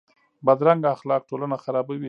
بدرنګه اخلاق ټولنه خرابوي